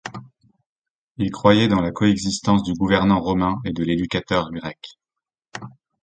Il croyait dans la coexistence du gouvernant romain et de l'éducateur grec.